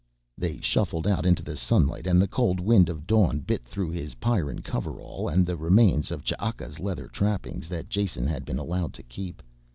They shuffled out into the sunlight and the cold wind of dawn bit through his Pyrran coverall and the remnants of Ch'aka's leather trappings that Jason had been allowed to keep.